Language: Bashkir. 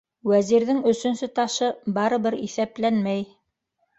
- Вәзирҙең өсөнсө ташы барыбер иҫәпләнмәй.